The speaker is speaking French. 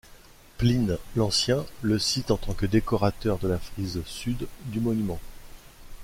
Pline l'Ancien le cite en tant que décorateur de la frise sud du monument.